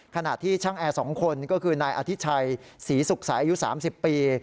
ขณะที่ช่างแอร์๒คนก็คือนายอธิชัยศรีสุขสายอายุ๓๐ปี